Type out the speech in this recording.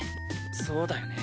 そうだよね。